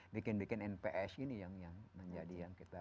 bikin bikin nps ini yang menjadi yang kita